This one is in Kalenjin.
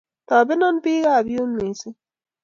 Tobenon piik ap yu missing'